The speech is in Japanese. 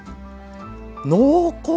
濃厚！